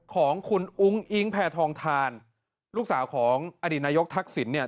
ของคุณอุ้งอิ๊งแพทองทานลูกสาวของอดีตนายกทักษิณเนี่ย